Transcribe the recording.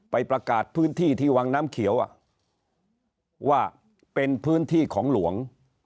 ไปประกาศพื้นที่ที่วังน้ำเขียวว่าเป็นพื้นที่ของหลวง